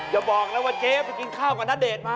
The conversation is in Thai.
อย่าบอกนะว่าเจ๊ไปกินข้าวกับณเดชน์มา